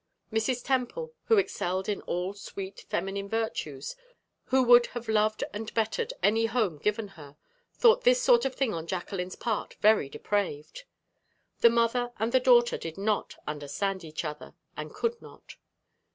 Mrs. Temple, who excelled in all sweet, feminine virtues, who would have loved and bettered any home given her, thought this sort of thing on Jacqueline's part very depraved. The mother and the daughter did not understand each other, and could not.